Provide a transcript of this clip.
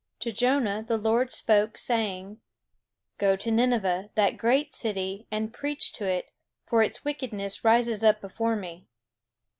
To Jonah the Lord spoke, saying: "Go to Nineveh, that great city, and preach to it; for its wickedness rises up before me."